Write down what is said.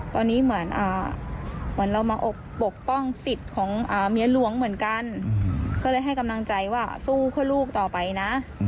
ตอนนี้เหมือนเรามาปกป้องสิทธิ์ของเมียหลวงเหมือนกันก็เลยให้กำลังใจว่าสู้เพื่อลูกต่อไปนะ